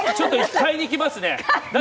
買いに行きますね